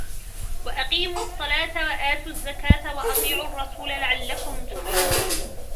وَأَقِيمُوا الصَّلَاةَ وَآتُوا الزَّكَاةَ وَأَطِيعُوا الرَّسُولَ لَعَلَّكُمْ تُرْحَمُونَ